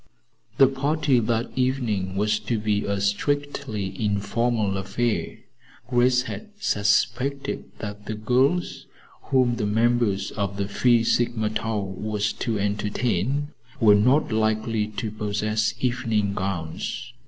The party that evening was to be a strictly informal affair. Grace had suspected that the girls whom the members of the Phi Sigma Tau were to entertain were not likely to possess evening gowns.